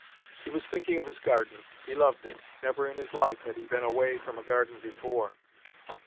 He was thinking of his garden. He loved it. Never in his life had he been away from a garden before.